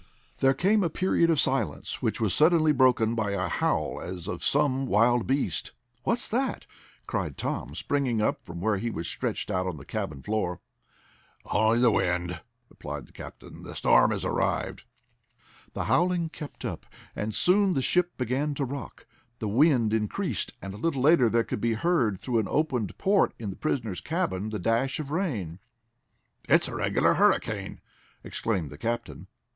There came a period of silence, which was suddenly broken by a howl as of some wild beast. "What's that?" cried Tom, springing up from where he was stretched out on the cabin floor. "Only the wind," replied the captain. "The storm has arrived." The howling kept up, and soon the ship began to rock. The wind increased, and a little later there could be heard, through an opened port in the prisoners' cabin, the dash of rain. "It's a regular hurricane!" exclaimed the captain.